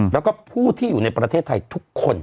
แล้วก็ผู้ที่อยู่ในประเทศไทยทุกคน